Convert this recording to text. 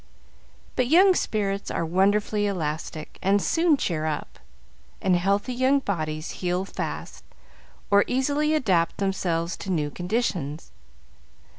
But young spirits are wonderfully elastic and soon cheer up, and healthy young bodies heal fast, or easily adapt themselves to new conditions.